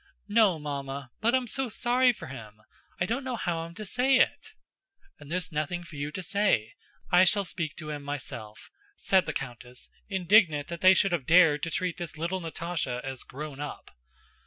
"No, Mamma, but I'm so sorry for him. I don't know how I'm to say it." "And there's nothing for you to say. I shall speak to him myself," said the countess, indignant that they should have dared to treat this little Natásha as grown up.